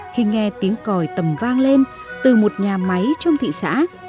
khi nghe tiếng còi tầm vang lên từ một nhà máy trong thị xã